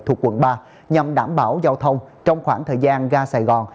thuộc quận ba nhằm đảm bảo giao thông trong khoảng thời gian ga sài gòn